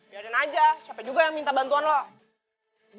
bukan ada ditolongin malah ditekan tekan kayak gitu